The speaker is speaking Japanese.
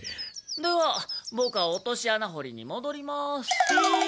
ではボクは落とし穴ほりにもどります。